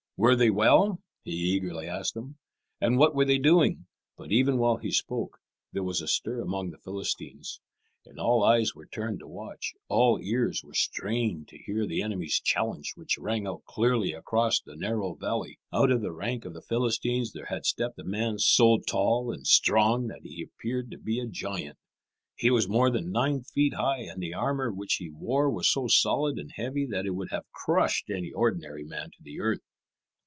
"Were they well?" he eagerly asked them; "and what were they doing?" [Illustration: Eagerly David began to ask them what it meant.] But even while he spoke there was a stir among the Philistines, and all eyes were turned to watch, all ears were strained to hear the enemy's challenge, which rang out clearly across the narrow valley. Out of the rank of the Philistines there had stepped a man so tall and strong that he appeared to be a giant. He was more than nine feet high, and the armour which he wore was so solid and heavy that it would have crushed any ordinary man to the earth.